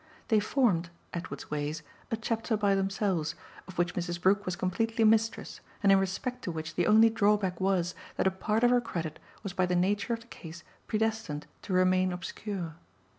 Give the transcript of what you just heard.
They formed, Edward's ways, a chapter by themselves, of which Mrs. Brook was completely mistress and in respect to which the only drawback was that a part of her credit was by the nature of the case predestined to remain obscure.